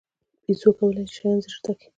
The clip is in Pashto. بیزو کولای شي شیان ژر زده کړي.